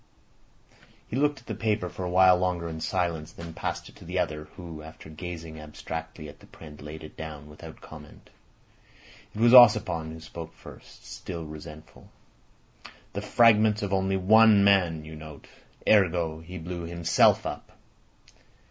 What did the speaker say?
He looked at the paper for a while longer in silence, then passed it to the other, who after gazing abstractedly at the print laid it down without comment. It was Ossipon who spoke first—still resentful. "The fragments of only one man, you note. Ergo: blew himself up.